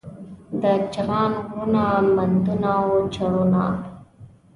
د چغان غرونه، مندونه او چړونه